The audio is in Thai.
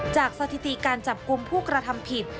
สถิติการจับกลุ่มผู้กระทำผิด